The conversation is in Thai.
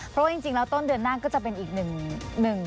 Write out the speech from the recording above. เพราะว่าจริงแล้วต้นเดือนหน้าก็จะเป็นอีกหนึ่ง